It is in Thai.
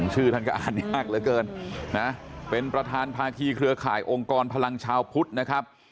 ชื่อท่านก็อ่านยากเหลือเกินนะเป็นประธานภาคีเครือข่ายองค์กรพลังชาวพุทธนะครับ